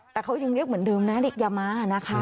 แต่เขายังเรียกเหมือนเดิมนะเด็กยาม้านะคะ